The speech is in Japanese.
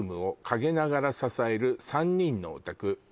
「陰ながら支える三人のオタク」